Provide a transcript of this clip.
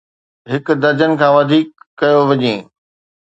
هڪ درجن کان وڌيڪ ڪيو وڃي